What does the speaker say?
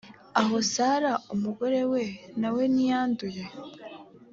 aho sara umugore we na we ntiyanduye